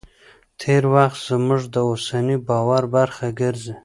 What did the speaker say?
تېر وخت زموږ د اوسني باور برخه ګرځي.